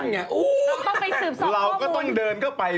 ต้องไปสืบสอบข้อมูลเราก็ต้องเดินเข้าไป